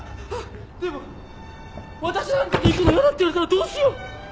でもわたしなんかと行くの嫌だって言われたらどうしよう。